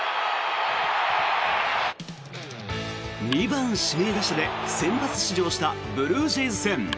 ２番指名打者で先発出場したブルージェイズ戦。